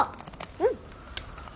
うん！